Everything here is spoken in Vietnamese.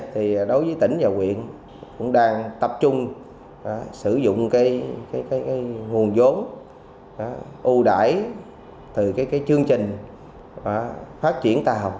thì đối với tỉnh và quyện cũng đang tập trung sử dụng cái nguồn vốn ưu đải từ cái chương trình phát triển tàu